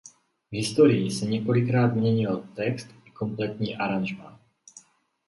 V historii se několikrát měnil text i kompletní aranžmá.